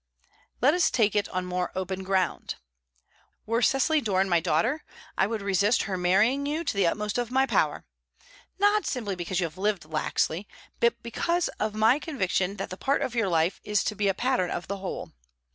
Let us take it on more open ground. Were Cecily Doran my daughter, I would resist her marrying you to the utmost of my power not simply because you have lived laxly, but because of my conviction that the part of your life is to be a pattern of the whole.